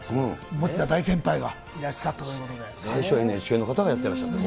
持田大先輩がいらっしゃったとい最初、ＮＨＫの方がやってらっしゃったと。